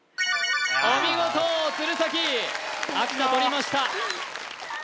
お見事鶴崎秋田とりました